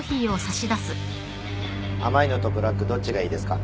甘いのとブラックどっちがいいですか？